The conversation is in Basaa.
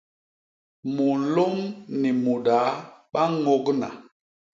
Munlôm ni mudaa ba ñôgna.